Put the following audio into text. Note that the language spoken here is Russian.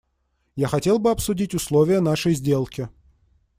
Я хотел бы обсудить условия нашей сделки.